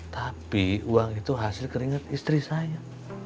tapi uang itu hasil keringat istri saya